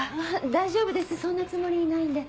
大丈夫ですそんなつもりないんで。